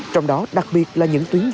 trong đó đặc biệt là những tuyến đường